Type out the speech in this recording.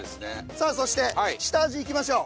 さあそして下味いきましょう。